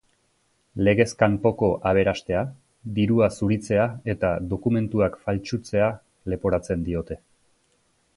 Legez kanpoko aberastea, dirua zuritzea eta dokumentuak faltsutzea leporatzen diote.